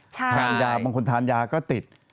ใช่บางคนทานยาก็ติด